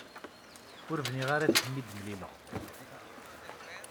Ur bniɣ ara ad kem-id-mlileɣ.